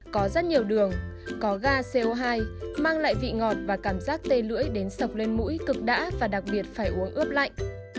có rất nhiều đường có ga co hai mang lại vị ngọt và cảm giác tê lưỡi đến sọc lên mũi cực đã và đặc biệt phải uống ướp lạnh